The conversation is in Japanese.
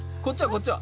こっちは？